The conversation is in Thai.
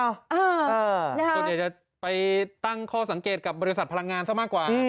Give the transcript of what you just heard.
ส่วนใหญ่จะไปตั้งข้อสังเกตกับบริษัทพลังงานซะมากกว่า